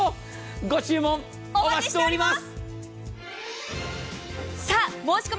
ご注文お待ちしております。